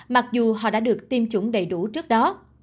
mặc dù họ đã được tiêm chủng đầy đủ trước đó